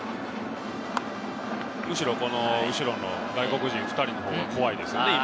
むしろ後ろの外国人２人のほうが怖いですよね、今。